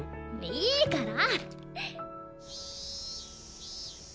いいから！